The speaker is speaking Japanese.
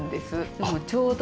でもちょうど。